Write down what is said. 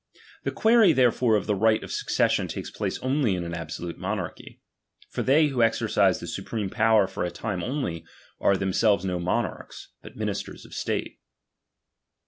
The query therefore of the right of succession takes place only in an absolute monarchy. For they who exercise the supreme power for a time only, are themselves no monarchs, but ministers of state.